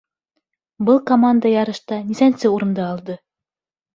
Был команда ярышта нисәнсе урынды алды?